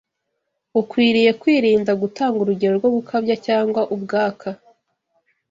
ukwiriye kwirinda gutanga urugero rwo gukabya cyangwa ubwaka